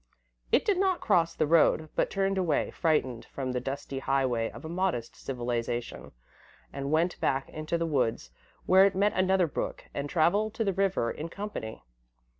It did not cross the road, but turned away, frightened, from the dusty highway of a modest civilisation, and went back into the woods, where it met another brook and travelled to the river in company.